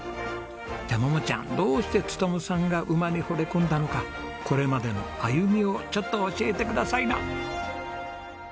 じゃあ桃ちゃんどうして勉さんが馬に惚れ込んだのかこれまでの歩みをちょっと教えてくださいな。